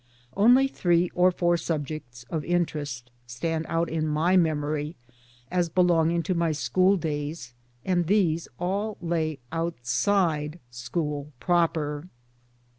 Only three or four subjects of interest stand out in my memory as belonging to my school days, and these all lay outside school proper.